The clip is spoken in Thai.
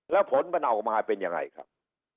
แล้วผลมันออกมาเป็นยังไงครับ